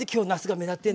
うん目立ってる。